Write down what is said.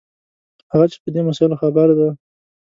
هغه چې په دې مسایلو خبر دي.